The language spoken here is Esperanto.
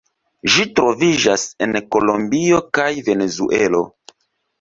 Ĝi troviĝas en Kolombio kaj Venezuelo.